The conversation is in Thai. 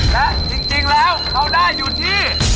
และจริงแล้วเขาได้อยู่ที่